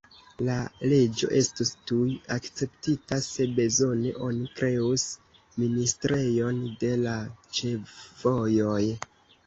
La leĝo estus tuj akceptita: se bezone, oni kreus ministrejon de la ĉefvojoj.